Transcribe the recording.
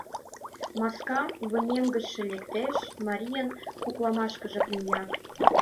Маска, вынем гычше лектеш, марийын куклымашкыже мия: